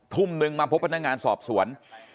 ทุ่มนึงมาพบพนักงานสอบสวน